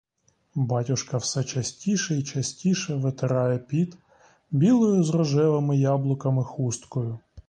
Батюшка все частіше й частіше витирає піт білою з рожевими яблуками хусткою.